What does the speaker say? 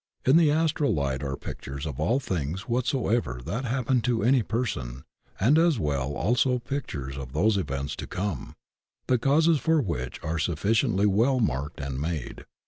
In the Astral Light are pictures of all things whatsoever that happened to any person, and as well also pictures of those events to come, the causes for which are suffi ciently well marked and made.